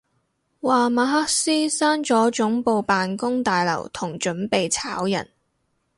話馬斯克閂咗總部辦公大樓同準備炒人